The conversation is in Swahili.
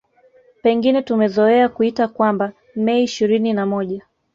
Pengine tumezoea kuita kwamba Mei ishirini na moja